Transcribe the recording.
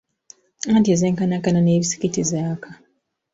Anti ezenkanankana n’ebisiki tezaaka.